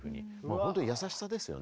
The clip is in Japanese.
本当に優しさですよね。